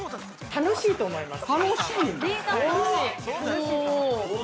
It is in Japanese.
◆楽しいと思います。